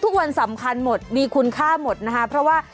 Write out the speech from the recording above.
ทุกวันสำคัญหมดมีคุณค่าหมดนะคะเพราะว่า